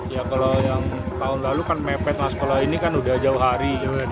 ya kalau yang tahun lalu kan mepet lah sekolah ini kan udah jauh hari